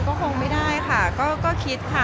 ก็คงไม่ได้ค่ะก็คิดค่ะ